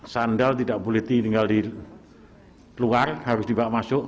sandal tidak boleh tinggal di luar harus dibawa masuk